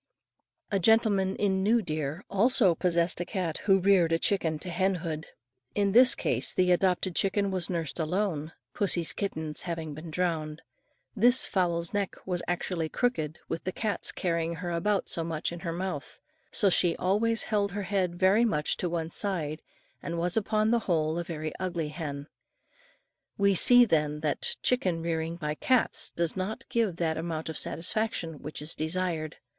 A gentleman in New Deer, also possessed a cat who reared a chicken to hen hood. In this case the adopted chicken was nursed alone, pussy's kittens having been drowned. This fowl's neck, was actually crooked with the cat's carrying her about so much in her mouth, so she always held her head very much to one side, and was upon the whole a very ugly hen. We see, then, that chicken rearing by cats does not give that amount of satisfaction which is desired.